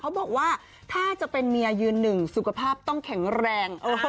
บอกว่าถ้าจะเป็นเมียยืนหนึ่งสุขภาพต้องแข็งแรง